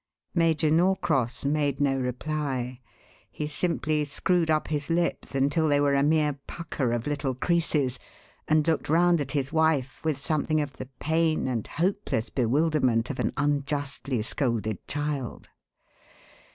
Major Norcross made no reply. He simply screwed up his lips until they were a mere pucker of little creases, and looked round at his wife with something of the pain and hopeless bewilderment of an unjustly scolded child.